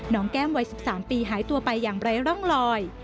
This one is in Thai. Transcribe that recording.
แก้มวัย๑๓ปีหายตัวไปอย่างไร้ร่องลอย